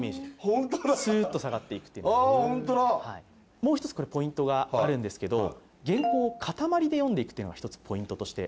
もう１つ、ポイントがあるんですけど、原稿をかたまりで読んでいくというのが１つ、ポイントとして。